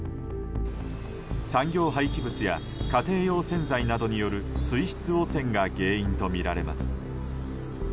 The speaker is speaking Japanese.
産業廃棄物や家庭用洗剤などによる水質汚染が原因とみられます。